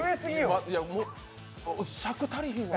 尺足りひんわ。